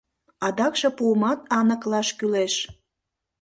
Адакше пуымат аныклаш кӱлеш.